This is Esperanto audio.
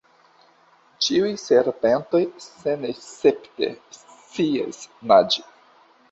Ĉiuj serpentoj senescepte scias naĝi.